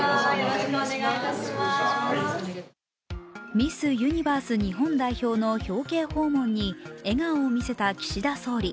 ミス・ユニバース日本代表の表敬訪問に笑顔を見せた岸田総理。